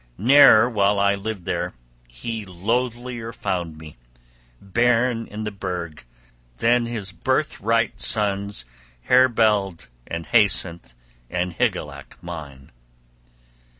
Ne'er, while I lived there, he loathlier found me, bairn in the burg, than his birthright sons, Herebeald and Haethcyn and Hygelac mine.